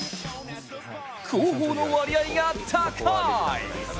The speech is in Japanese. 後方の割合が高い！